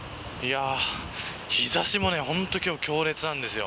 日差しも本当に今日強烈なんですよ。